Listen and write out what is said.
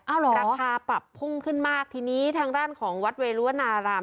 เอาเหรอราคาปรับพุ่งขึ้นมากทีนี้ทางด้านของวัดเวรุวนาราม